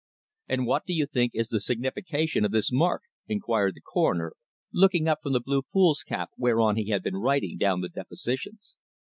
"And what do you think is the signification of this mark?" inquired the Coroner, looking up from the blue foolscap whereon he had been writing down the depositions.